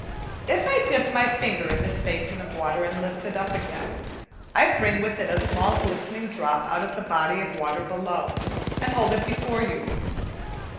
If I dip my finger in this basin of water and lift it up again, I bring with it a small glistening drop out of the body of water below, and hold it before you.